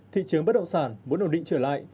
thị trường bất động sản muốn ổn định trở lại